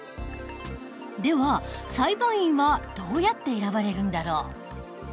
では裁判員はどうやって選ばれるんだろう？